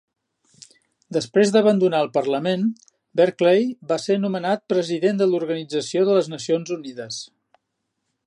Després d'abandonar el Parlament, Berkeley va ser nomenat president de l'Organització de les Nacions Unides.